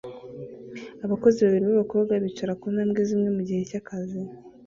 Abakozi babiri b'abakobwa bicara ku ntambwe zimwe mu gihe cy'akazi